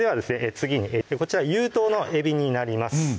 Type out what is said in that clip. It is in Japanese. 次にこちら有頭のえびになります